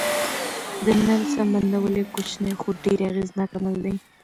د نل سم بندول یو کوچنی خو ډېر اغېزناک عمل دی.